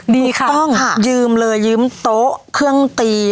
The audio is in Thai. ดีค่ะถูกต้องค่ะยืมเลยยืมโต๊ะเครื่องตีอ๋อ